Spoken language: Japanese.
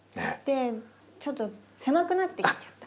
ちょっと狭くなってきちゃった。